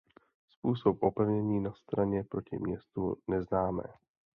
Způsob opevnění na straně proti městu neznáme.